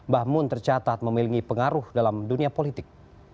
bahmun tercatat memiliki pengaruh dalam dunia politik